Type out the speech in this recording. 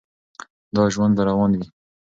دا ژوند به روان وي.